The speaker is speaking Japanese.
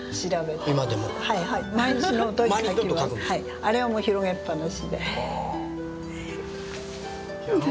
あれをもう広げっぱなしで。